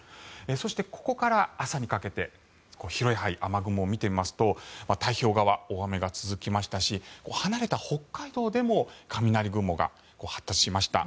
そして、ここから朝にかけて広い範囲、雨雲を見てみますと太平洋側、大雨が続きましたし離れた北海道でも雷雲が発達しました。